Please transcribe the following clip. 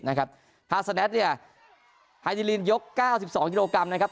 นะครับถ้าเนี้ยไฮดีลินยกเก้าสิบสองกิโลกรัมนะครับ